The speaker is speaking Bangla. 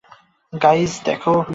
গাইজ, দেখো!